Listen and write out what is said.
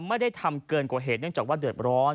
ไม่ได้ทำเกินกว่าเหตุเนื่องจากว่าเดือดร้อน